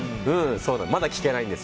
まだ聴けないんです。